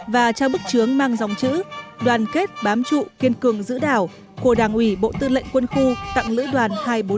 và trao bức chướng mang dòng chữ đoàn kết bám trụ kiên cường giữ đảo của đảng ủy bộ tư lệnh quân khu tặng lữ đoàn hai trăm bốn mươi năm